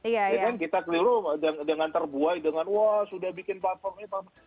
ya kan kita keliru dengan terbuai dengan wah sudah bikin platformnya pak jokowi